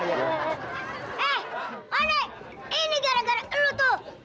eh onek ini gara gara elu tuh